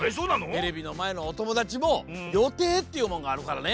テレビのまえのおともだちもよていっていうもんがあるからね。